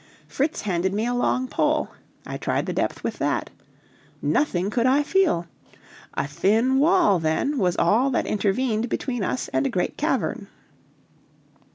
Fritz handed me a long pole; I tried the depth with that. Nothing could I feel. A thin wall, then, was all that intervened between us and a great cavern.